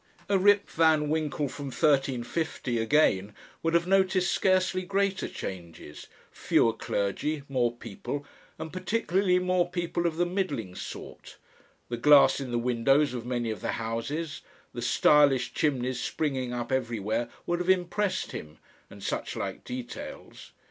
A Rip van Winkle from 1350, again, would have noticed scarcely greater changes; fewer clergy, more people, and particularly more people of the middling sort; the glass in the windows of many of the houses, the stylish chimneys springing up everywhere would have impressed him, and suchlike details.